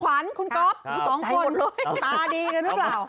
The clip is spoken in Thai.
ขวัญคุณก๊อฟอยู่สองคนตาดีกันหรือเปล่า